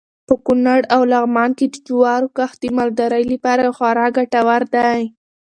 په کونړ او لغمان کې د جوارو کښت د مالدارۍ لپاره خورا ګټور دی.